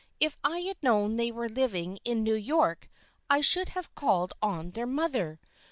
If I had known they were living in New York I should have called on their mother.